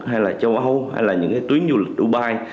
hay là châu âu hay là những cái tuyến du lịch dubai